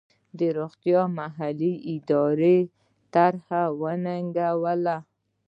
د روغتیا محلي ادارې طرحه وننګوله.